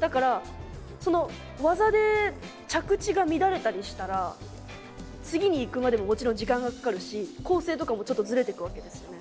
だからその技で着地が乱れたりしたら次にいくまでももちろん時間がかかるし構成とかもちょっとズレてくわけですよね。